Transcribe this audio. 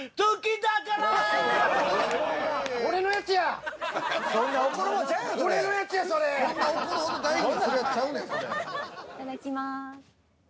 いただきます。